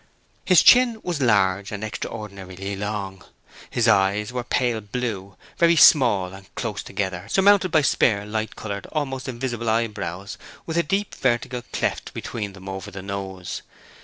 His chin was large and extraordinarily long. The eyes were pale blue, very small and close together, surmounted by spare, light coloured, almost invisible eyebrows, with a deep vertical cleft between them over the nose.